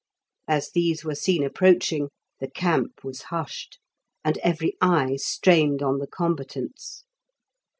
As these were seen approaching, the camp was hushed, and every eye strained on the combatants.